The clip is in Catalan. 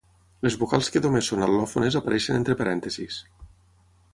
Les vocals que només són al·lòfones apareixen entre parèntesis.